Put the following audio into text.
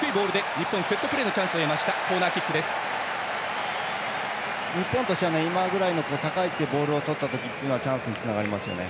日本としては今ぐらい高い位置でボールをとった時はチャンスにつながりますね。